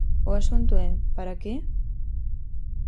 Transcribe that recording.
O asunto é: ¿para que?